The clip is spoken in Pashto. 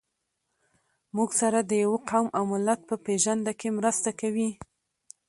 موږ سره د يوه قوم او ملت په پېژنده کې مرسته کوي.